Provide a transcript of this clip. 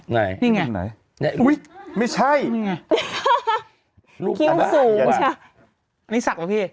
ไหนนี่ไงไหนอุ้ยไม่ใช่นี่ไงคิ้วสูงใช่นี่ศักดิ์หรอพี่